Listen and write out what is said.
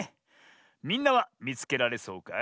みんなはみつけられそうかい？